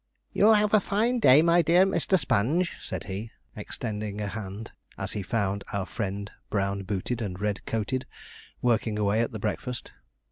'You'll have a fine day, my dear Mr. Sponge,' said he, extending a hand, as he found our friend brown booted and red coated, working away at the breakfast.